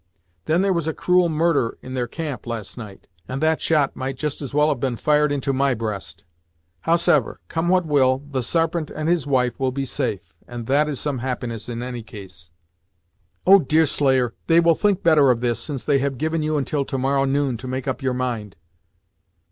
Then there was a cruel murder in their camp last night, and that shot might just as well have been fired into my breast. Howsever, come what will, the Sarpent and his wife will be safe, and that is some happiness in any case." "Oh! Deerslayer, they will think better of this, since they have given you until to morrow noon to make up your mind!"